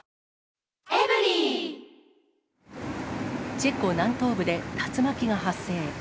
チェコ南東部で竜巻が発生。